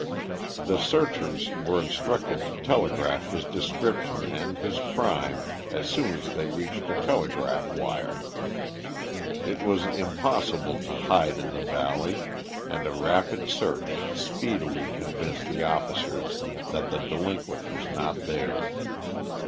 The searchers were instructed to telegraph his description and his crime as soon as they reached a telegraph wire. It was impossible to hide in the valley, and a rapid search speedily convinced the officers that the delinquent was not there.